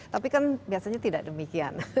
tapi kan biasanya tidak demikian